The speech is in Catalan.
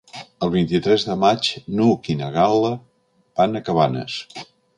El vint-i-tres de maig n'Hug i na Gal·la van a Cabanes.